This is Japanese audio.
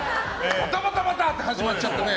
バタバタって始まっちゃってね。